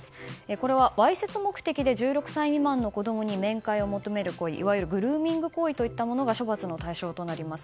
これはわいせつ目的で１６歳未満の子供に面会を求める行為いわゆるグルーミング行為といったものが処罰の対象となります。